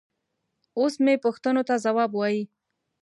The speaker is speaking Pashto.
اوس مې پوښتنو ته ځواب وايي.